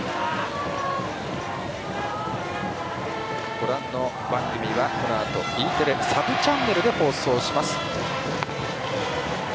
ご覧の番組は、このあとＥテレ、サブチャンネルで放送します。